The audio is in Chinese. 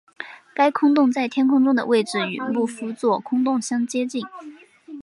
该空洞在天空中的位置与牧夫座空洞相接近。